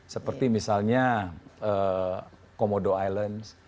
seperti misalnya komodo island